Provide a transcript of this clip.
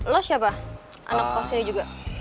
lo siapa anak posnya juga